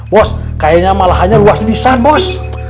bos kayaknya malah hanya luas desain bos